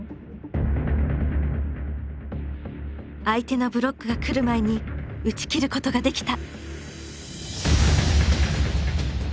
相手のブロックが来る前に打ちきることができた。